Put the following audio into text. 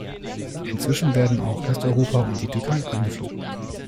Inzwischen werden auch Westeuropa und die Türkei angeflogen.